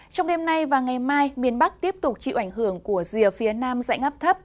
trong đêm nay và ngày mai miền bắc tiếp tục chịu ảnh hưởng của rìa phía nam dãy ngắp thấp